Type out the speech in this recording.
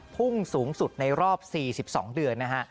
พุ่งสูงสุดในรอบ๔๒เดือนนะฮะ